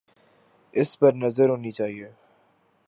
اس پہ نظر ہونی چاہیے۔